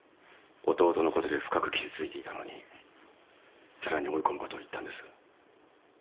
弟のことで深く傷ついていたのにさらに追い込むことを言ったんです。